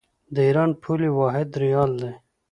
د ایران پولي واحد ریال دی.